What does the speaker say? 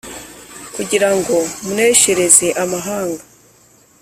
kugira ngo muneshereze amahanga